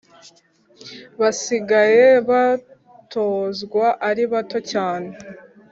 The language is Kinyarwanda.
basigaye batozwa ari bato cyane